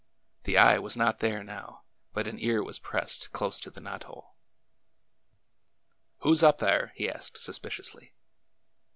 The eye was not there now, but an ear was pressed close to the knot hole. '' Who 's up thar ?'' he asked suspiciously.